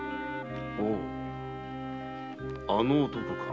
ほうあの男か。